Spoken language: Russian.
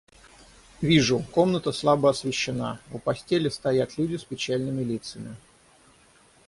Вижу, комната слабо освещена; у постели стоят люди с печальными лицами.